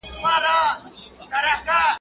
o يوه خبره د بلي خور ده.